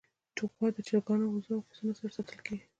غوا د چرګانو، وزو، او پسونو سره ساتل کېږي.